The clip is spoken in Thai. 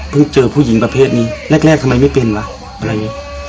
เจอผู้หญิงประเภทนี้แรกทำไมไม่เป็นวะอะไรอย่างนี้